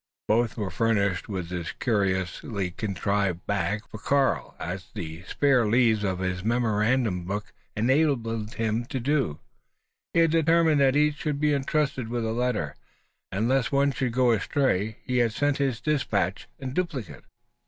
Both were furnished with this curiously contrived bag; for Karl as the spare leaves of his memorandum book enabled him to do had determined that each should be entrusted with a letter and lest one should go astray, he had sent his despatch in duplicate.